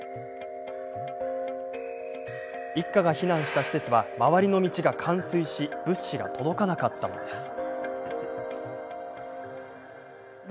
一家が避難した施設は周りの道が冠水し物資が届かなかったのです。